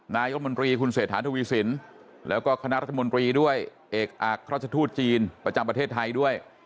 นายมนตรีคุณเศรษฐาทวีสินแล้วก็คณะรัฐมนตรีด้วยเอกอักราชทูตจีนประจำประเทศไทยด้วย